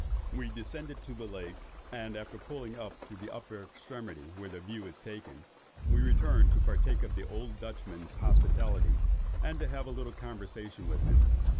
We descended to the lake, and after pulling up to the upper extremity where the view is taken, we returned to partake of the old Dutchman's hospitality, and have a little conversation with him.